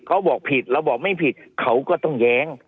เขาบอกผิดเราบอกไม่ผิดเขาก็ต้องแย้ง